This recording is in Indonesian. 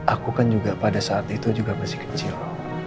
aku kan juga pada saat itu juga masih kecil